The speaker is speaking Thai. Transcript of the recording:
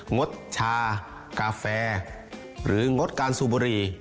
งดชากาแฟหรืองดการสูบบุหรี่